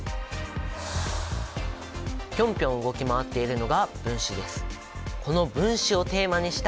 ぴょんぴょん動き回っているのが分子です。